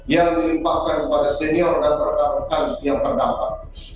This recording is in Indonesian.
yang dilimpahkan kepada senior dan berkan berkan yang terdampak